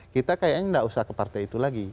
kita kayaknya nggak usah ke partai itu lagi